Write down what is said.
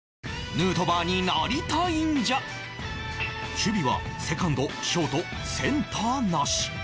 守備はセカンドショートセンターなし